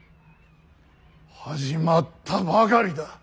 始まったばかりだ。